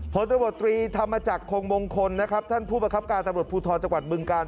ผลตำรวจตรีธรรมจักรคงมงคลนะครับท่านผู้ประคับการตำรวจภูทรจังหวัดบึงกาล